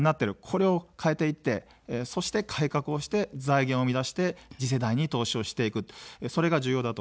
これを変えていって、そして改革をして、財源を生み出して次世代に投資をしていく、それが重要だと思っています。